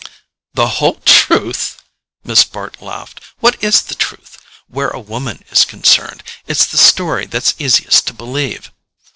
"The whole truth?" Miss Bart laughed. "What is truth? Where a woman is concerned, it's the story that's easiest to believe.